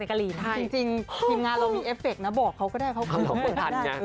เข้าคืนได้นะครับเออนะครับเอาล่ะครับ